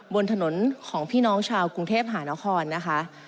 บนถนนของพี่น้องชาวกรุงเทพหานครนะคะ